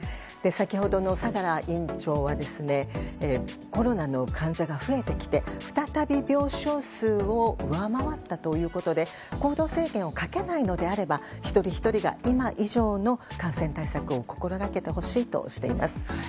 先ほどの相良院長はコロナの患者が増えてきて再び、病床数を上回ったということで行動制限をかけないのであれば一人ひとりが今以上の感染対策を心がけてほしいとしています。